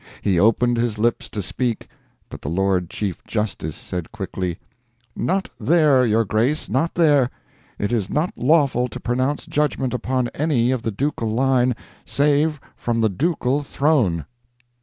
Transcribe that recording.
He opened his lips to speak, but the Lord Chief Justice said quickly: "Not there, your Grace, not there! It is not lawful to pronounce judgment upon any of the ducal line SAVE FROM THE DUCAL THRONE!"